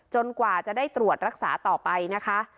กว่าจะได้ตรวจรักษาต่อไปนะคะ